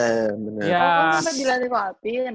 oh kamu pernah dilatih coach apin